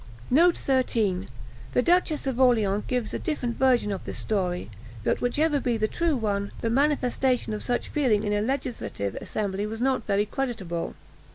_" The Duchess of Orleans gives a different version of this story; but whichever be the true one, the manifestation of such feeling in a legislative assembly was not very creditable.